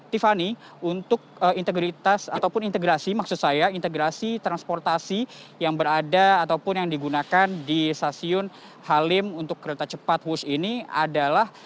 tiffany untuk integritas ataupun integrasi maksud saya integrasi transportasi yang berada ataupun yang digunakan di stasiun halim untuk kereta cepat wush ini adalah